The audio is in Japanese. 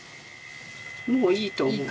もういいと思う。